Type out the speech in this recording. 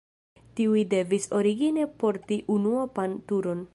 Tiuj devis origine porti unuopan turon.